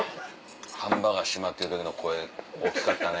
ハンバーガー閉まってた時の声大きかったね。